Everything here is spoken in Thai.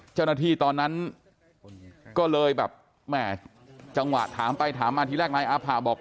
เจ้าหน้าที่ตอนนั้นก็เลยแบบจังหวะถามไปถามมาที่แรกนายอาภาบอก